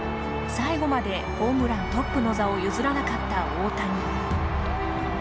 最後までホームラントップの座を譲らなかった大谷。